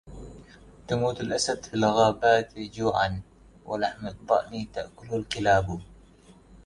تموت الأسد في الغابات جوعًا... ولحم الضأن تأكله الكــلاب